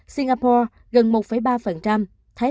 singapore gần một mươi hai bảy thu nhập bình quân một ngày người việt nam